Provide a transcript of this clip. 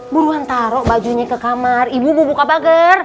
buruan taruh bajunya ke kamar ibu bu buka pager